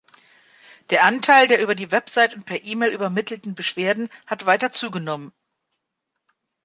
Der Anteil der über die Webseite und per E-Mail übermittelten Beschwerden hat weiter zugenommen.